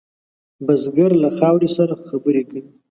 بزګر له خاورې سره خبرې کوي